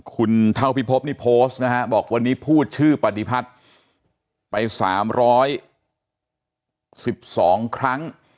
คุณเท่าพิพบนี่โพสต์นะฮะบอกวันนี้พูดชื่อปฏิพัฒน์ไป๓๑๒ครั้ง